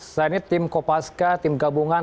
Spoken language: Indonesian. selain ini tim kopaska tim gabungan